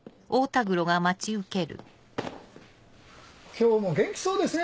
今日も元気そうですね